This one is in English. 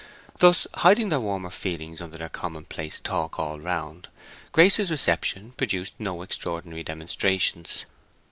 Thus hiding their warmer feelings under commonplace talk all round, Grace's reception produced no extraordinary demonstrations.